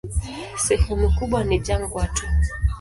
Sehemu kubwa ni jangwa tu.